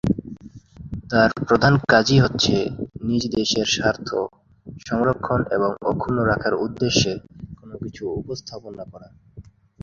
তার প্রধান কাজই হচ্ছে নিজ দেশের স্বার্থ সংরক্ষণ এবং অক্ষুণ্ন রাখার উদ্দেশ্যে কোন কিছু উপস্থাপনা করা।